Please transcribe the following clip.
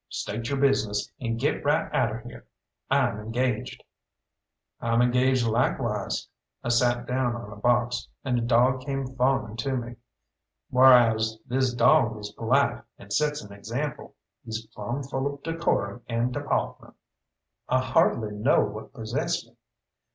"State your business, and get right out of here. I'm engaged!" "I'm engaged likewise" I sat down on a box, and a dog came fawning to me "wharas this dog is polite, and sets an example. He's plumb full of decorum and depawtment." I hardly know what possessed me.